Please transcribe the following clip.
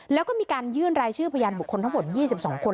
แล้วก็มีการยื่นรายชื่อพยานบุคคลทั้งหมด๒๒คน